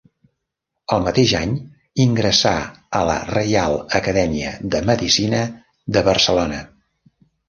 El mateix any ingressà a la Reial Acadèmia de Medicina de Barcelona.